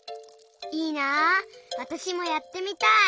いいなあわたしもやってみたい。